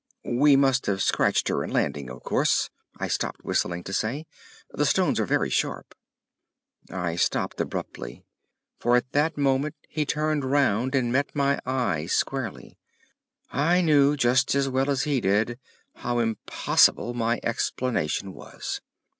"We must have scratched her in landing, of course," I stopped whistling to say. "The stones are very sharp." I stopped abruptly, for at that moment he turned round and met my eye squarely. I knew just as well as he did how impossible my explanation was.